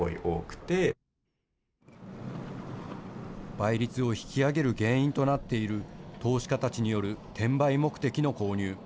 倍率を引き上げる原因となっている投資家たちによる転売目的の購入。